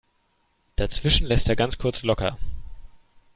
Dazwischen lässt er ganz kurz locker.